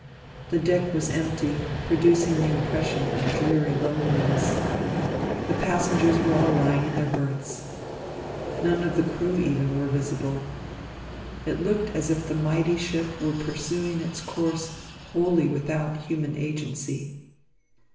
The deck was empty, producing the impression of dreary loneliness. The passengers were all lying in their berths. None of the crew even were visible. It looked as if the mighty ship were pursuing its course wholly without human agency.